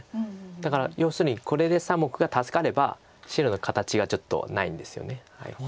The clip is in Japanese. だから要するにこれで３目が助かれば白の形がちょっとないんですよね。